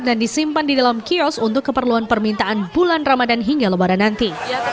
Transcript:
dan disimpan di dalam kios untuk keperluan permintaan bulan ramadan hingga lebaran nanti